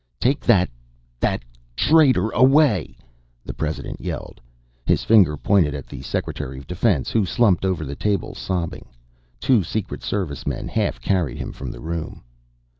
"Take that that traitor away!" the President yelled. His finger pointed at the Secretary of Defense, who slumped over the table, sobbing. Two Secret Servicemen half carried him from the room.